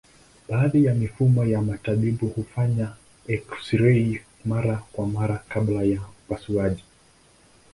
Baadhi ya mifumo ya matibabu hufanya eksirei mara kwa mara kabla ya upasuaji.